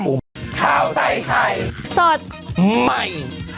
โปรดติดตามตอนต่อไป